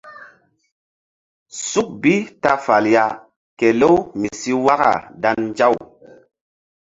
Suk bi ta fal ya kelew mi si waka dan nzaw.